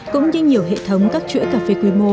cũng như nhiều hệ thống các chuỗi cafe quy mô